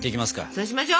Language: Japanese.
そうしましょ！